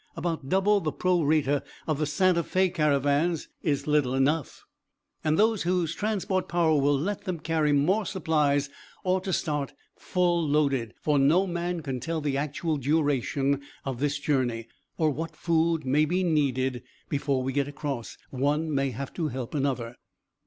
About double the pro rata of the Santa Fé caravans is little enough, and those whose transport power will let them carry more supplies ought to start full loaded, for no man can tell the actual duration of this journey, or what food may be needed before we get across. One may have to help another."